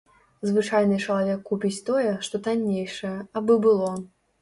Звычайны чалавек купіць тое, што таннейшае, абы было.